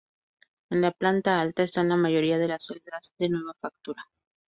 En la planta alta están la mayoría de las celdas de nueva factura.